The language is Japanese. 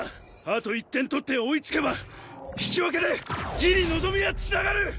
あと１点取って追いつけば引き分けでギリ望みは繋がる！